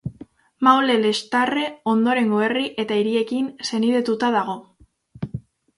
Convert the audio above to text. Maule-Lextarre ondorengo herri eta hiriekin senidetuta dago.